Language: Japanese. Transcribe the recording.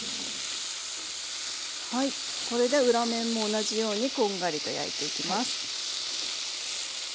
はいこれで裏面も同じようにこんがりと焼いていきます。